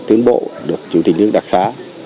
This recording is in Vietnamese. tuyến bộ được chủ trình nước đặc giá